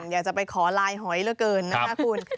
อยากจะไปขอลายหอยเหลือเกินนะคะคุณ